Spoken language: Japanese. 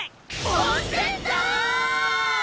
温泉だ！